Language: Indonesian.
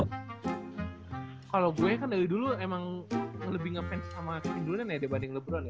kalo gue kan dari dulu emang lebih ngefans sama kevin duran ya dibanding lebron ya